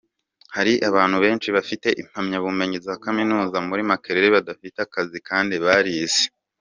Hari abantu benshi bafite impamyabumenyi za kaminuza muri Makerere badafite akazi kandi barize.